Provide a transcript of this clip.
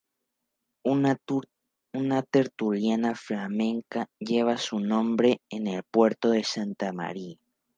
Una tertulia flamenca lleva su nombre en El Puerto de Santa María.